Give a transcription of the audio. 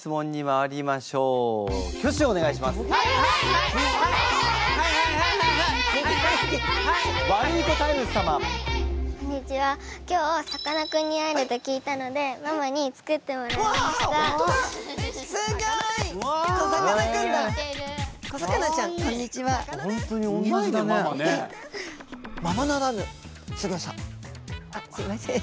あっすいません。